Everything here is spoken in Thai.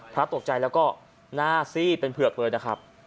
ตกใจแล้วก็หน้าซีดเป็นเผือกเลยนะครับ